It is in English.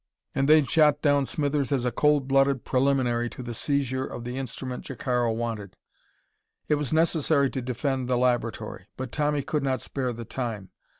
And they'd shot down Smithers as a cold blooded preliminary to the seizure of the instrument Jacaro wanted. It was necessary to defend the laboratory. But Tommy could not spare the time.